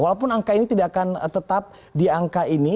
walaupun angka ini tidak akan tetap di angka ini